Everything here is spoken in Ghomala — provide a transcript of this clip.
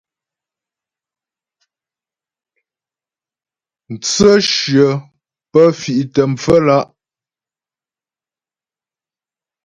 Mtsə̂shyə pə́ fì'tə pfə́lǎ'.